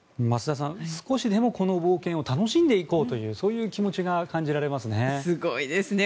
少しでもこの冒険を楽しんでいこうというそういう気持ちが感じられますね。